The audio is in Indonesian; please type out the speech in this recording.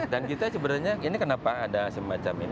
dan kita sebenarnya ini kenapa ada semacam ini adalah untuk harpoon